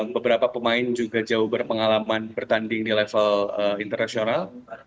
beberapa pemain juga jauh berpengalaman bertanding di level internasional